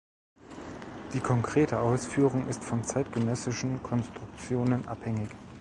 Die konkrete Ausführung ist von zeitgenössischen Konstruktionen abhängig.